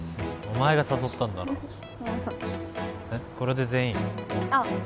お前が誘ったんだろえっ